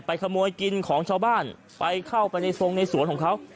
ขโมยกินของชาวบ้านไปเข้าไปในทรงในสวนของเขา